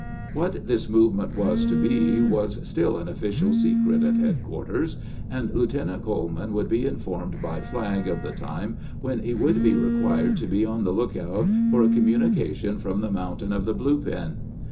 What this movement was to be was still an official secret at headquarters, and Lieutenant Coleman would be informed by flag of the time when he would be required to be on the lookout for a communication from the mountain of the blue pin.